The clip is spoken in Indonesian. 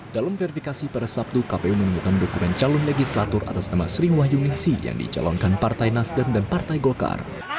dalam verifikasi pada sabtu kpu menemukan dokumen calon legislator atas nama sri wahyuningsi yang dicalonkan partai nasdem dan partai golkar